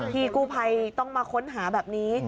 พี่กู้ภัยต้องมาค้นหาแบบนี้